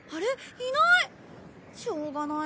いない！